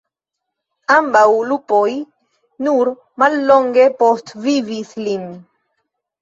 Ambaŭ lupoj nur mallonge postvivis lin.